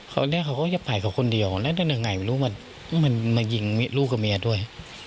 เขาเนี่ยเขาก็อย่าไปกับคนเดียวแล้วนั่นยังไงมันมายิงลูกกับเมียด้วย